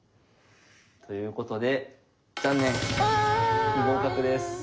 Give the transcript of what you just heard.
ということで残念不合格です。